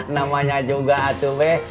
namanya juga be